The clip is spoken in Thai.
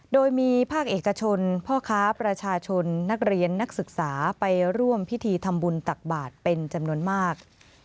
โดยมีภาคเอกชนพ่อค้าประชาชนนักเรียนนักศึกษาไปร่วมพิธีทำบุญตักบาทเป็นจำนวนมาก